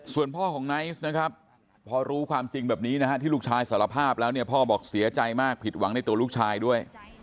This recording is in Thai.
ส่วนพ่อของไนท์นะครับพอรู้ความจริงแบบนี้นะฮะที่ลูกชายสารภาพแล้วเนี่ยพ่อบอกเสียใจมากผิดหวังในตัวลูกชายด้วย